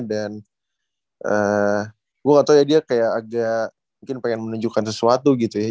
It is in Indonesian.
dan gue gak tau ya dia kayak agak mungkin pengen menunjukkan sesuatu gitu ya